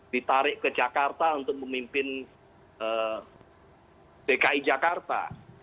ditarik ke jakarta untuk memimpin dki jakarta